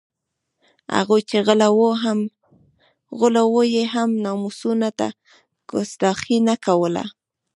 هغوی چې غله وو هم یې ناموسونو ته کستاخي نه کوله.